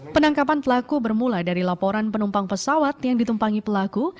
penangkapan pelaku bermula dari laporan penumpang pesawat yang ditumpangi pelaku